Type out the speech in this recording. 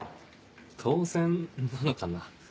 当然なのかな？